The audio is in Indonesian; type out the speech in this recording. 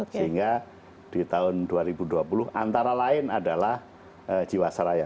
sehingga di tahun dua ribu dua puluh antara lain adalah jiwasraya